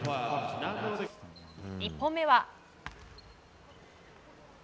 １本目は。